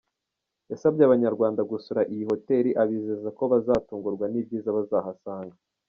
Yasabye Abanyarwanda gusura iyi hoteli, abizeza ko bazatungurwa n’ibyiza bazahasanga.